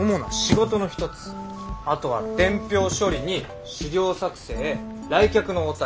あとは伝票処理に資料作成来客の応対